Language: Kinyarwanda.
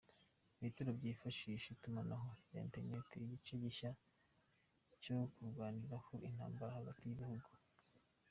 Ibitero byifashishije itumanaho rya internet, igice gishya cyo kurwaniraho intambara hagati y’ibihugu.